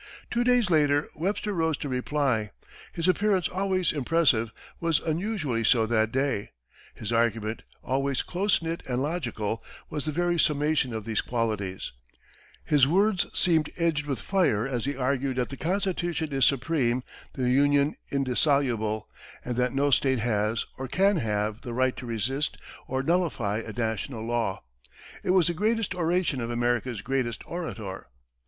Two days later, Webster rose to reply. His appearance, always impressive, was unusually so that day; his argument, always close knit and logical, was the very summation of these qualities; his words seemed edged with fire as he argued that the Constitution is supreme, the Union indissoluble, and that no state has, or can have the right to resist or nullify a national law. It was the greatest oration of America's greatest orator.